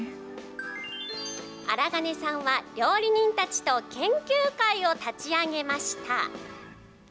荒金さんは料理人たちと研究会を立ち上げました。